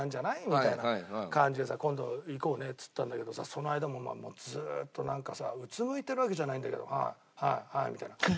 みたいな感じでさ今度行こうねって言ったんだけどその間もずっとなんかさうつむいてるわけじゃないんだけど「はいはいはい」みたいな。